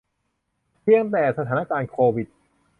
เพียงแต่สถานการณ์โควิด